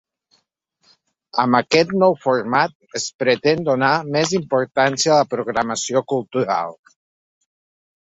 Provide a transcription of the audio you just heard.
Amb aquest nou format es pretén donar més importància a la programació cultural.